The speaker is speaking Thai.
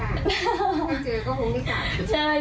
ถ้าเจอก็คงไม่กลับเลย